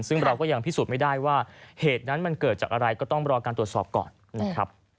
ซึ่งเราก็ยังพิสูจน์ไม่ได้ว่าเหตุนั้นมันเกิดจากอะไรก็ต้องรอการตรวจสอบก่อนนะครับ